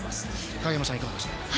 影山さん、いかがですか。